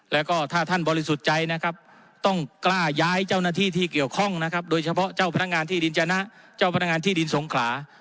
แล้วก็ถ้าท่านบริสุทธิ์ใจนะครับต้องกล้าย้ายเจ้าหน้าที่ที่เกี่ยวข้องนะครับโดยเฉพาะเจ้าพนักงานที่ดินจนะเจ้าพนักงานที่ดินสงขลา